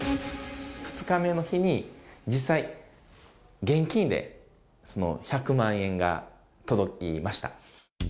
２日目の日に、実際、現金でその１００万円が届きました。